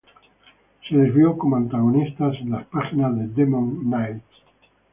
Se le vio como antagonista en las páginas de "Demon Knights".